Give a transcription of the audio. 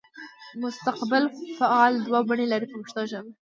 مستقبل فعل دوه بڼې لري په پښتو ژبه.